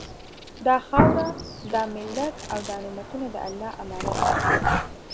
دا خاوره، دا ملت او دا نعمتونه د الله امانت دي